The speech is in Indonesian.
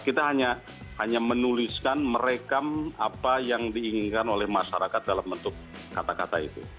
kita hanya menuliskan merekam apa yang diinginkan oleh masyarakat dalam bentuk kata kata itu